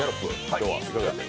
今日はいかがでした？